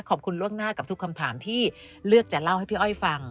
ล่วงหน้ากับทุกคำถามที่เลือกจะเล่าให้พี่อ้อยฟัง